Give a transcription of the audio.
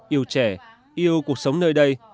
yêu trẻ yêu cuộc sống nơi đây